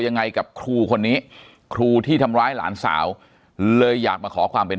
ยังไงกับครูคนนี้ครูที่ทำร้ายหลานสาวเลยอยากมาขอความเป็น